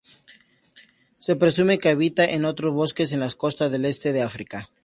Se presume que habita en otros bosques en la costa del este de África.